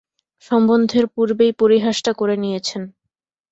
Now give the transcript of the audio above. সম্বন্ধের পূর্বেই পরিহাসটা করে নিয়েছেন।